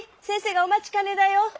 先生がお待ちかねだよ。